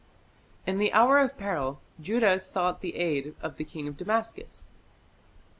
In the hour of peril Judah sought the aid of the king of Damascus.